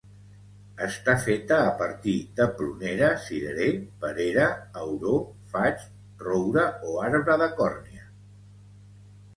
Està feta a partir de prunera, cirerer, perera, auró, faig, roure, o arbre de còrnia.